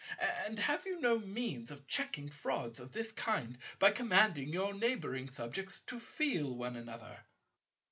And have you no means of checking frauds of this kind by commanding your neighbouring subjects to feel one another?"